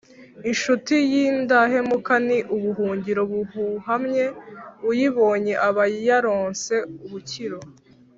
Incuti y’indahemuka ni ubuhungiro buhamye, uyibonye aba yaronse umukiro